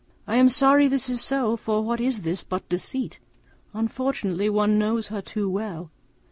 I am sorry it is so, for what is this but deceit? Unfortunately, one knows her too well.